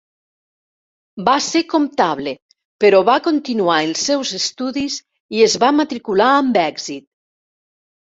Va ser comptable però va continuar els seus estudis i es va matricular amb èxit.